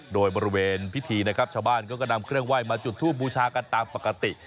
โดยบริเวณพิธีนะครับชาวบ้านก็นำเครื่องไหว้มาจุดทูบบูชากันตามปกติ